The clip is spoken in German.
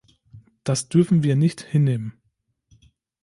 Das dürfen wir nicht hinnehmen.